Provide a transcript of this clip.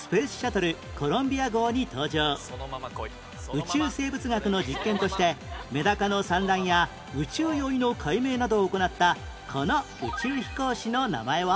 宇宙生物学の実験としてメダカの産卵や宇宙酔いの解明などを行ったこの宇宙飛行士の名前は？